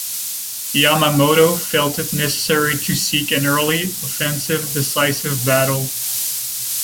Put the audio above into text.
Yamamoto felt it necessary to seek an early, offensive decisive battle.